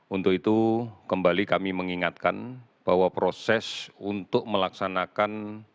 untuk itu kembali kami mengingatkan bahwa proses untuk melaksanakan